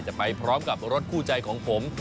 จะไปพร้อมกับรถคู่ใจของผม